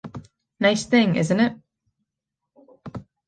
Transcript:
Nice thing, isn't it?